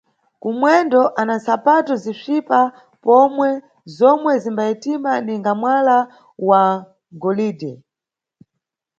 Kumwendo ana ntsapato zisvipa pomwe zomwe zimbayetima ninga mwala wa golide.